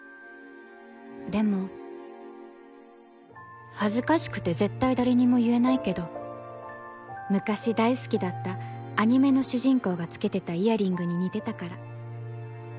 でも恥ずかしくて絶対誰にも言えないけど昔大好きだったアニメの主人公がつけてたイヤリングに似てたから。